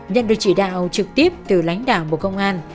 nhận được chỉ đạo trực tiếp từ lãnh đạo bộ công an